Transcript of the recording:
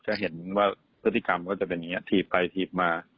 จะเห็นว่าพฤติกรรมก็จะเป็นอย่างนี้ถีบไปถีบมา